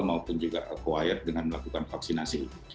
maupun juga aquired dengan melakukan vaksinasi